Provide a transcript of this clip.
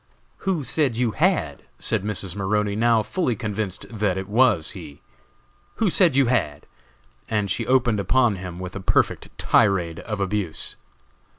"Who said you had?" said Mrs. Maroney, now fully convinced that it was he. "Who said you had?" and she opened upon him with a perfect tirade of abuse.